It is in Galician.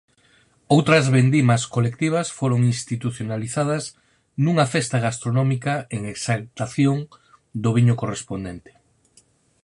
Outras vendimas colectivas foron institucionalizadas nunha festa gastronómica en exaltación do viño correspondente.